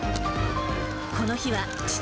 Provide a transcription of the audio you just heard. この日は父、